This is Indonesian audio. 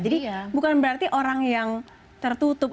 jadi bukan berarti orang yang tertutup